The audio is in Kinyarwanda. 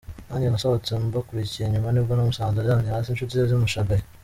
Nanjye nasohotse mbakurikiye, nyuma nibwo namusanze aryamye hasi inshuti ze zimushagaye.